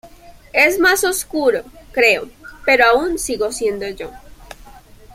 Es más oscuro, creo, pero aún sigo siendo yo".